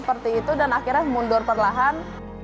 beberapa tim seperti itu dan akhirnya mundur perlahan